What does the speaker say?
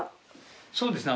そうですね。